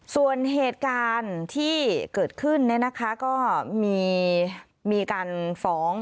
ส่วนเหตุการณ์ที่เกิดขึ้นก็มีการฟ้อง